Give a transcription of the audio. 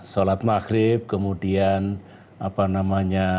sholat maghrib kemudian sedangkan